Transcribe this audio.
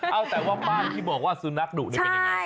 เอาแต่ว่าไม้ที่บอกว่าสุนัขดุนี่เป็นยังไง